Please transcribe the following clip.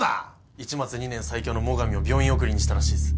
市松２年最強の最上を病院送りにしたらしいっす。